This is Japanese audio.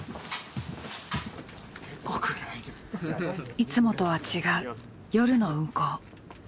いつもとは違う夜の運行。